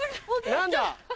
何だ？